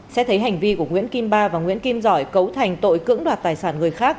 xét thấy hành vi của nguyễn kim ba và nguyễn kim giỏi cấu thành tội cưỡng đoạt tài sản người khác